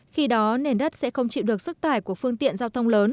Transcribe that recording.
khi đó nền đất sẽ không chịu được sức tải của phương tiện giao thông lớn